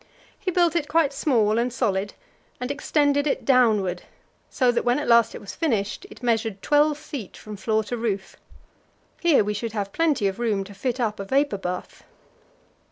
He built it quite small and solid, and extended it downward, so that, when at last it was finished, it measured 12 feet from floor to roof. Here we should have plenty of room to fit up a vapour bath.